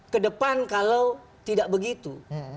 kedepan kalau tidak begitu